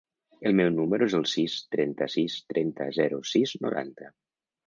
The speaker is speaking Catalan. El meu número es el sis, trenta-sis, trenta, zero, sis, noranta.